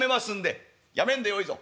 「やめんでよいぞ。